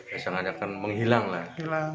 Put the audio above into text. saya sangankan menghilang lah